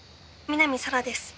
南沙良です。